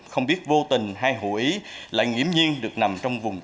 không biết vô tình hay hữu ý là nghiêm nhiên được nằm trong vùng